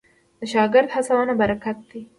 د شاګرد هڅونه برکت لري.